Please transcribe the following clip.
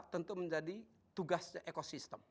tentu menjadi tugas ekosistem